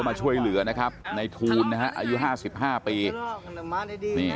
มาช่วยเหลือในทูลอายุ๕๕ปี